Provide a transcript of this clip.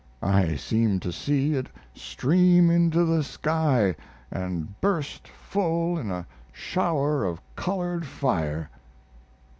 I seem to see it stream into the sky and burst full in a shower of colored fire.